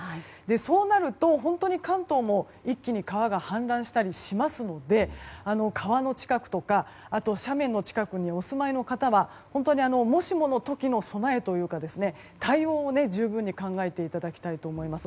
そうなると、本当に関東も一気に川が氾濫したりしますので川の近くや斜面の近くにお住まいの方は本当にもしもの時の備えというか対応を十分に考えていただきたいと思います。